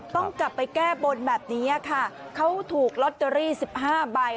ต้องกลับไปแก้บนแบบนี้ค่ะเขาถูกลอตเตอรี่๑๕ใบ